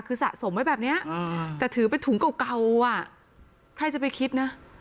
คือสะสมไว้แบบนี้แต่ถือเป็นถุงเก่าอ่ะใครจะไปคิดนะ